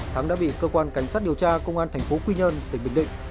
thắng đã bị cơ quan cảnh sát điều tra công an thành phố quy nhơn tỉnh bình định